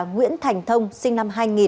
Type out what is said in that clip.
nguyễn thành thông sinh năm hai nghìn